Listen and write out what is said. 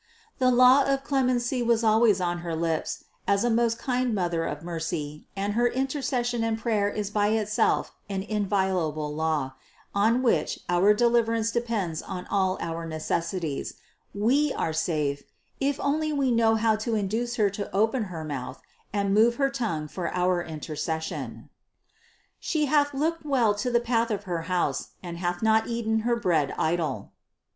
The law of clemency was always on her lips, as a most kind Mother of mercy and her intercession and prayer is by it self an inviolable law, on which our deliverance depends in all our necessities ; we are safe, if only we know how to induce Her to open her mouth and move Her tongue for our intercession. 798. "She hath looked well to the path of her house, and hath not eaten her bread idle."